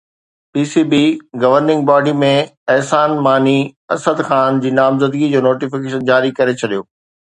P C B governing body ۾ Ehsan Mani Asad Khan جي نامزدگي جو نوٽيفڪيشن جاري ڪري ڇڏيو